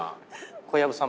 小籔さん